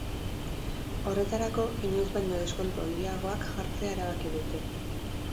Horretarako, inoiz baino deskontu handiagoak jartzea erabaki dute.